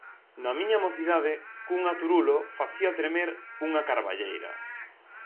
Na miña mocidade, cun aturulo facía tremer unha carballeira.